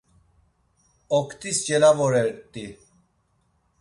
Oktis celavoret̆i.